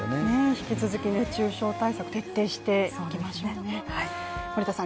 引き続き熱中症対策徹底していきましょうね。